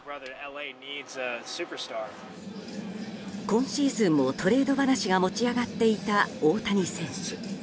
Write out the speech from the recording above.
今シーズンもトレード話が持ち上がっていた大谷選手。